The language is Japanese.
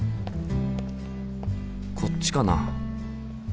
こっちかな？